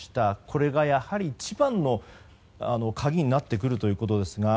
これがやはり一番の鍵になってくるということですが。